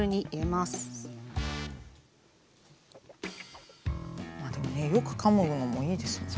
まあでもねよくかむのもいいですよね。